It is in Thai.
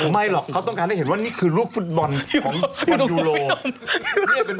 ไม่หรอกเขาต้องการได้เห็นว่านี่คือลูกฟุตบอลของปีศพีเนิน